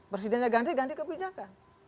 presidennya ganti ganti kebijakan